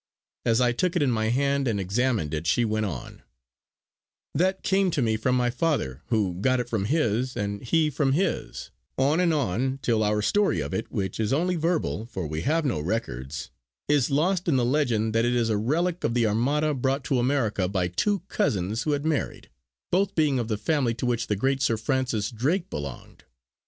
As I took it in my hand and examined it she went on: "That came to me from my father, who got it from his, and he from his, on and on till our story of it, which is only verbal, for we have no records, is lost in the legend that it is a relic of the Armada brought to America by two cousins who had married, both being of the family to which the great Sir Francis Drake belonged.